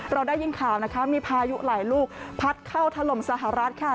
เราได้ยินข่าวนะคะมีพายุหลายลูกพัดเข้าถล่มสหรัฐค่ะ